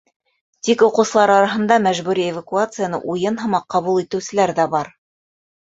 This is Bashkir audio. Тик уҡыусылар араһында мәжбүри эвакуацияны уйын һымаҡ ҡабул итеүселәр ҙә бар.